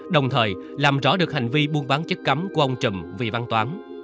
đồng thời làm rõ được hành vi buôn bán chất cấm của ông trầm vị văn toán